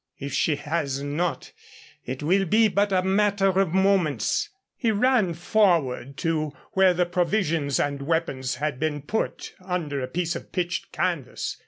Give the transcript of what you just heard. "If she has not, it will be but a matter of moments." He ran forward to where the provisions and weapons had been put under a piece of pitched canvas.